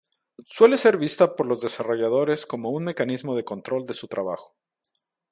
Suele ser vista por los desarrolladores como un mecanismo de control de su trabajo.